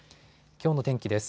きょうの天気です。